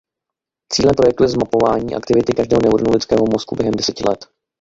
Cílem projektu je zmapování aktivity každého neuronu lidského mozku během deseti let.